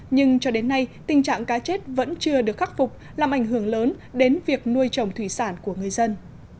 nhưng cho đến nay tình trạng cá chết vẫn chưa được khắc phục làm ảnh hưởng lớn đến việc nuôi trồng thủy sản của người dân